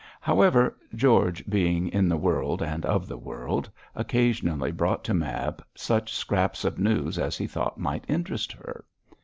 However, George, being in the world and of the world, occasionally brought to Mab such scraps of news as he thought might interest her.